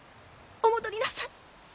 お戻りなさい！